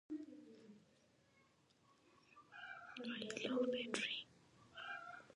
د ایوب خان نوم به ځلانده پاتې سوی وي.